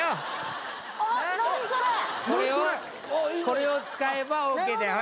これを使えばＯＫだよ。